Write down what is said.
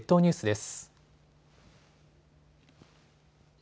列島ニュースです。